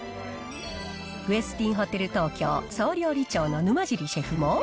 ウェスティンホテル東京総料理長の沼尻シェフも。